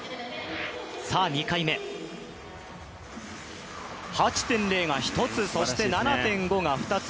さあ２回目、８．０が１つそして、７．５が２つ。